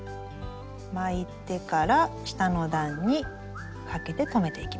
巻いてから下の段にかけて留めていきます。